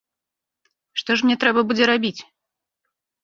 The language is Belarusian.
Што ж мне трэба будзе рабіць?